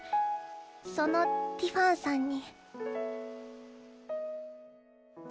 そのティファンさんに。